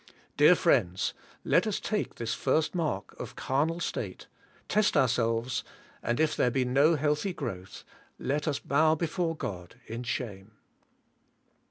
Dear friends let us take this first mark of carnal state, test ourselves, and if there be no healthy growth let us bow before God in shame.